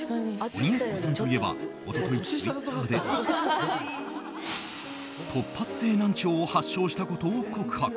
鬼奴さんといえば一昨日ツイッターで突発性難聴を発症したことを告白。